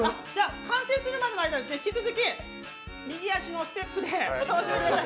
完成するまでの間引き続き、右足のステップでお楽しみください。